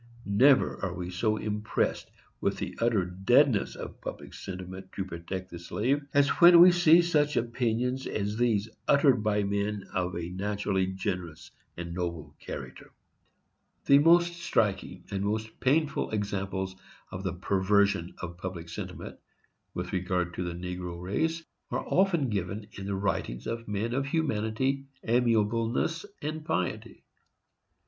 Never are we so impressed with the utter deadness of public sentiment to protect the slave, as when we see such opinions as these uttered by men of a naturally generous and noble character. The most striking and the most painful examples of the perversion of public sentiment, with regard to the negro race, are often given in the writings of men of humanity, amiableness and piety.